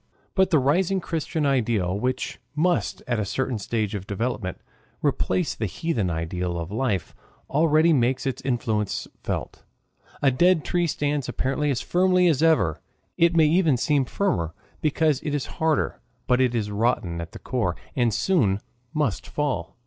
But the rising Christian ideal, which must at a certain stage of development replace the heathen ideal of life, already makes its influence felt. A dead tree stands apparently as firmly as ever it may even seem firmer because it is harder but it is rotten at the core, and soon must fall.